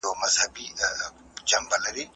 د ټولنیزو اسانتیاوو کچه باید پراخه او لوړه سي.